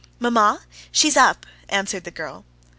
"Mamma? She is up," answered the girl.